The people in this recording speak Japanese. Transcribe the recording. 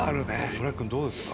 村木君どうですか？